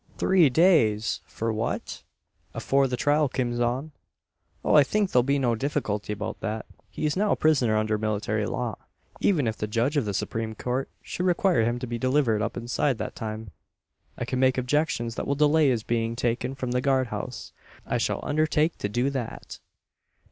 "Three days! For what?" "Afore the trial kims on." "Oh! I think there will be no difficulty about that. He is now a prisoner under military law. Even if the judge of the Supreme Court should require him to be delivered up inside that time, I can make objections that will delay his being taken from the guard house. I shall undertake to do that."